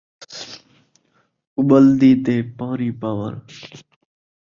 اُٻلدی تے پاݨی پووݨ